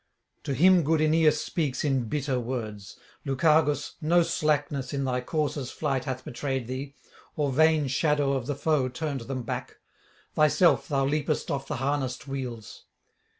To him good Aeneas speaks in bitter words: 'Lucagus, no slackness in thy coursers' flight hath betrayed thee, or vain shadow of the foe turned them back; thyself thou leapest off the harnessed wheels.'